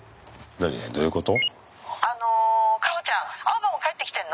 何どういうこと？